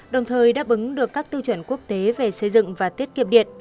đồng thời đáp ứng được các tiêu chuẩn quốc tế về xây dựng và tiết kiệm điện